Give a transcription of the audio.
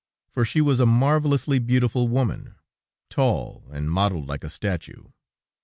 For she was a marvelously beautiful woman, tall, and modeled like a statue.